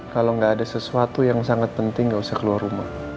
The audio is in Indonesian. kalau nggak ada sesuatu yang sangat penting gak usah keluar rumah